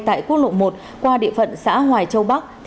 tại quốc lộ một qua địa phận xã hoài châu bắc